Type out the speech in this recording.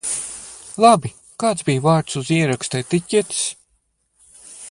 Labi, kāds bija vārds uz ieraksta etiķetes?